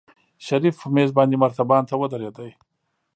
شريف په مېز باندې مرتبان ته ودرېد.